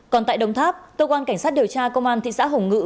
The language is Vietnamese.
còn tại đồng tháp cơ quan cảnh sát điều tra công an thị xã hồng ngự